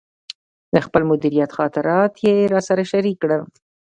د خپل مدیریت خاطرات یې راسره شریک کړل.